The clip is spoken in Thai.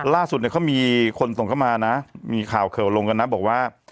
ล่าสุดเนี่ยเขามีคนส่งเข้ามานะมีข่าวเข่าลงกันนะบอกว่า